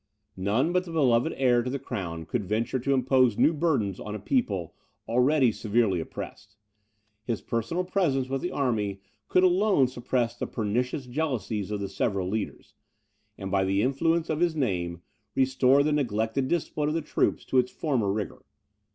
None but the beloved heir to the crown could venture to impose new burdens on a people already severely oppressed; his personal presence with the army could alone suppress the pernicious jealousies of the several leaders, and by the influence of his name, restore the neglected discipline of the troops to its former rigour.